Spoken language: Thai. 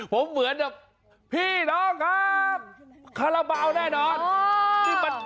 ผมเหมือนแบบพี่น้องครับคาราบาลแน่นอน